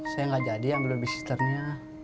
saya enggak jadi ambil door visitornya